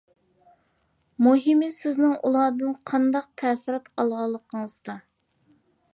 مۇھىمى سىزنىڭ ئۇلاردىن قانداق تەسىرات ئالغىنىڭىزدا.